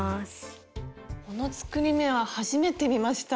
この作り目は初めて見ました。